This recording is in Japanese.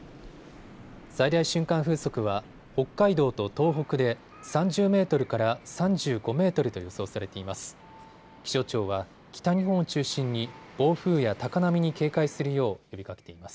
最大瞬間風速は北海道と東北で３０メートルから３５メートルと予想されています。